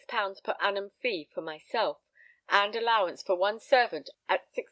_ per annum fee for myself, and allowance for one servant at 16_d.